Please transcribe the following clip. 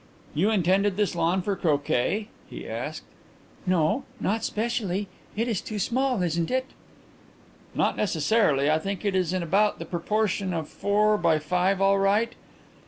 "You intended this lawn for croquet?" he asked. "No; not specially. It is too small, isn't it?" "Not necessarily. I think it is in about the proportion of four by five all right.